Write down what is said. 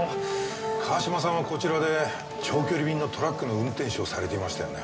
川島さんはこちらで長距離便のトラックの運転手をされていましたよね？